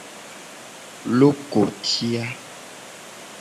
Lokoti a.